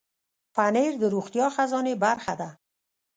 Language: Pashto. پنېر د روغتیا خزانې برخه ده.